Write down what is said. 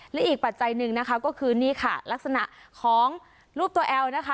และอีกปัจจัยหนึ่งนะคะก็คือนี่ค่ะลักษณะของรูปตัวแอลนะคะ